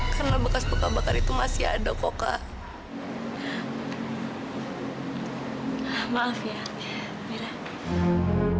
karena bekas buka buka itu masih ada kok kak